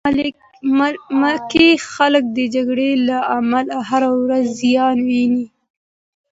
ملکي خلک د جګړې له امله هره ورځ زیان ویني.